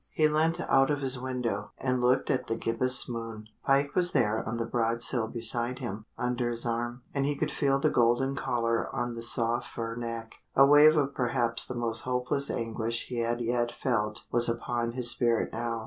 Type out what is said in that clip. He leant out of his window, and looked at the gibbous moon. Pike was there on the broad sill beside him, under his arm, and he could feel the golden collar on the soft fur neck a wave of perhaps the most hopeless anguish he had yet felt was upon his spirit now.